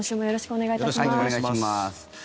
よろしくお願いします。